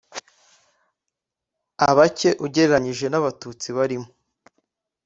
a bacye ugereranyije n’abatutsi barimo